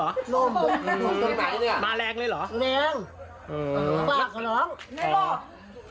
ลมลมตรงไหนเนี่ยเนี่ยปากหล้องในบุตร